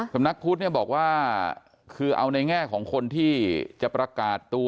สำนักพุทธเนี่ยบอกว่าคือเอาในแง่ของคนที่จะประกาศตัว